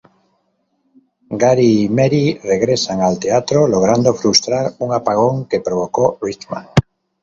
Gary y Mary regresan al teatro, logrando frustrar un apagón que provocó Richman.